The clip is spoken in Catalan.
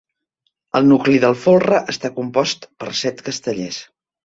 El nucli del folre està compost per set castellers.